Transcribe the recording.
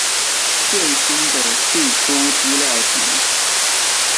最新的釋出資料集